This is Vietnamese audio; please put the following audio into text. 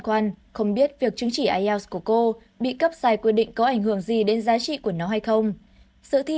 của idp bị cấp giải quyết định